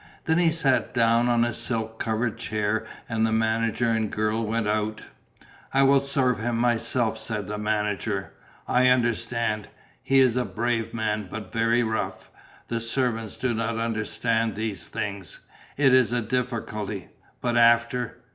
Then he sat down on a silk covered chair and the manager and the girl went out. "I will serve him myself," said the manager. "I understand; he is a brave man but very rough; the servants do not understand these things. It is a difficulty, but after